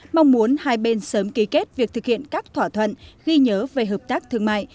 mong muốn hai bên sớm ký kết việc thực hiện các thỏa thuận ghi nhớ về hợp tác thương mại